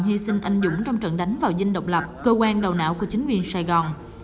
hy sinh anh dũng trong trận đánh vào dinh độc lập cơ quan đầu não của chính quyền sài gòn